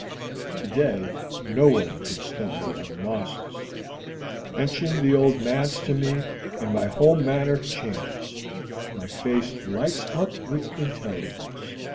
Today no one can stump me on Mosses. Mention the Old Manse to me and my whole manner changes. My face lights up with intelligence.